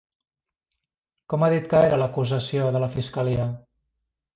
Com ha dit que era l'acusació de la fiscalia?